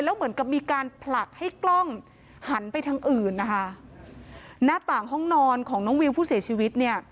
แล้วเหมือนกับมีการผลักให้กล้องหันไปทางอื่นนะคะหน้าต่างห้องนอนของน้องวิวผู้เสียชีวิตเนี่ย